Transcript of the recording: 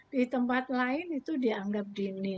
di tempat lain itu dianggap dini